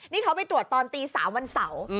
นี่เขาไปตรวจตอนตี๓วันเสาร์